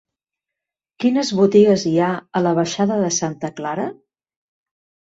Quines botigues hi ha a la baixada de Santa Clara?